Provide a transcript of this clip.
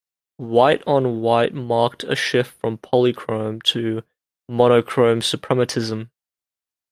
"White on White" marked a shift from polychrome to monochrome Suprematism.